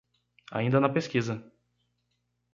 Ainda na pesquisa